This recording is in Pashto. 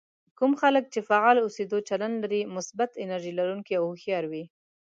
کوم خلک چې فعال اوسېدو چلند لري مثبت، انرژي لرونکي او هوښيار وي.